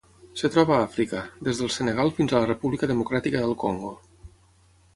Es troba a Àfrica: des del Senegal fins a la República Democràtica del Congo.